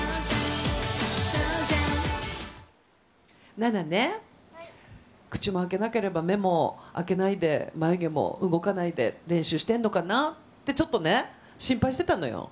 ナナね、口も開けなければ、目も開けないで、眉毛も動かないで、練習してるのかなってちょっとね、心配してたのよ。